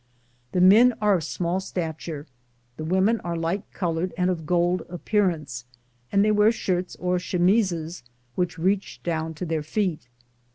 1 The men are of small stature [plate lxii'J ; the women are light colored and of good appearance, and they wear shirts or chemises which reach down to their feet.